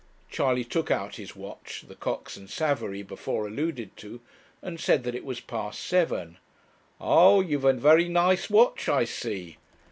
Charley took out his watch the Cox and Savary, before alluded to and said that it was past seven. 'Aye; you've a very nice watch, I see.